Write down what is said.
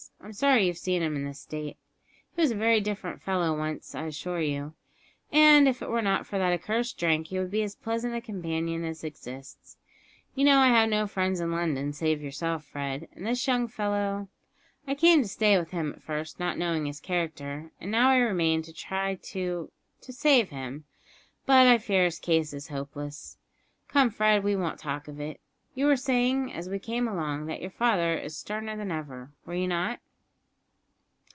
"I'm sorry you've seen him in this state. He was a very different fellow once, I assure you; and if it were not for that accursed drink he would be as pleasant a companion as exists. You know I have no friends in London save yourself, Fred, and this young fellow. I came to stay with him at first, not knowing his character, and now I remain to try to to save him; but I fear his case is hopeless. Come, Fred, we won't talk of it. You were saying, as we came along, that your father is sterner than ever, were you not?"